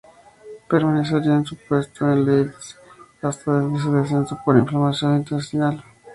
Permanecería en su puesto en Leeds hasta su deceso por inflamación intestinal.